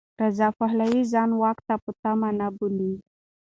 رضا پهلوي ځان واک ته په تمه نه بولي.